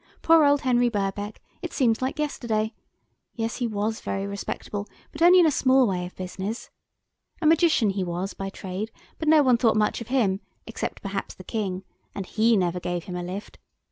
"Poor old Henry Birkbeck, it seems like yesterday; yes, he was very respectable, but only in a small way of business. A magician he was by trade, but no one thought much of him, except perhaps the King, and he never gave him a lift.